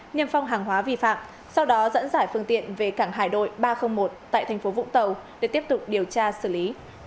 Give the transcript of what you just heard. niêm phong hàng hóa vi phạm sau đó dẫn giải phương tiện về cảng hải đội ba trăm linh một tại thành phố vũng tàu để tiếp tục điều tra xử lý